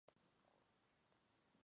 Cazan monos frecuentemente.